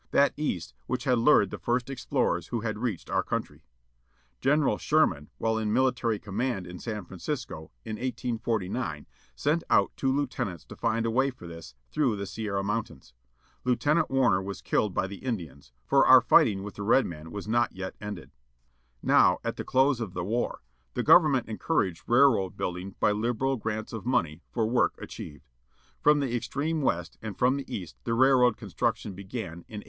That East which had lured the first explorers who had reached our covintry. General Sherman, while in military command in San Francisco, in 1849, sent out two lieutenants to find a way for this, through the Sierra Mountains. Lieutenant Warner was killed by the Indians; for our fighting with the red man was not yet ended. STAGE COACH, PRAIRIE SCHOONER A.VD PONEY EXPRESS 36 RAILROADS ACROSS THE PLAINS, 1869 Now, at the close of the war, the Government encouraged railroad building by liberal grants of money, for work achieved. From the extreme West, and from the East, the railroad construction began, in 1865.